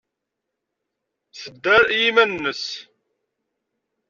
Tedder i yiman-nnes.